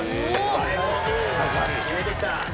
決めて来た。